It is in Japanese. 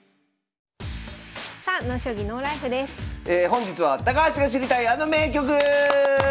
本日は「高橋が知りたいあの名局」！